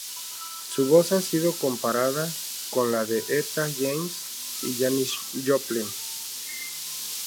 Su voz ha sido comparada con la de Etta James y Janis Joplin.